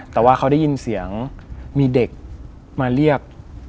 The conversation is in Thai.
แต่ว่าเขาได้ยินเสียงมีเด็กมาเรียก